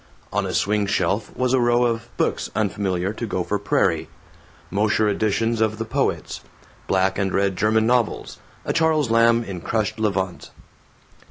On a swing shelf was a row of books unfamiliar to Gopher Prairie: Mosher editions of the poets, black and red German novels, a Charles Lamb in crushed levant.